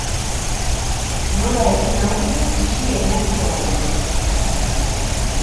Nola egin aurre krisi emozioal horri?